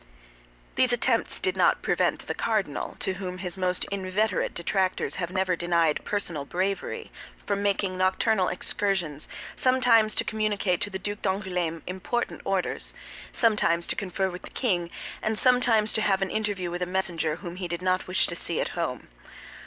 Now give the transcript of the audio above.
These attempts did not prevent the cardinal, to whom his most inveterate detractors have never denied personal bravery, from making nocturnal excursions, sometimes to communicate to the Duc d'Angoulême important orders, sometimes to confer with the king, and sometimes to have an interview with a messenger whom he did not wish to see at home.